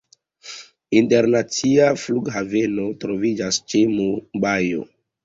Internacia flughaveno troviĝas ĉe Mumbajo.